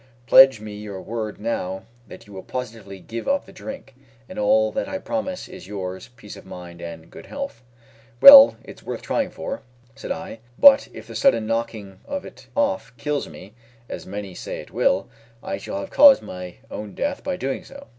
Pledge me your word now that you will positively give up the drink, and all that I promise is yours peace of mind and good health." "Well, it's worth trying for," said I; "but if the sudden knocking of it off kills me, as many say it will, I shall have caused my own death by doing so."